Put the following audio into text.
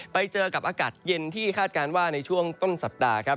ไปเจอกับอากาศเย็นที่คาดการณ์ว่าในช่วงต้นสัปดาห์ครับ